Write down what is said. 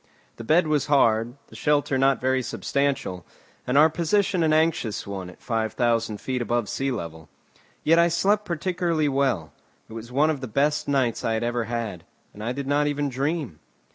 The bed was hard, the shelter not very substantial, and our position an anxious one, at five thousand feet above the sea level. Yet I slept particularly well; it was one of the best nights I had ever had, and I did not even dream.